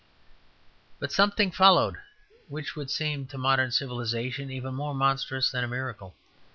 But something followed which would seem to modern civilization even more monstrous than a miracle.